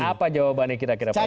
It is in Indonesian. apa jawabannya kira kira pak